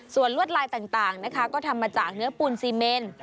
ส่วนลวดลายต่างนะคะก็ทำมาจากเนื้อปูนซีเมน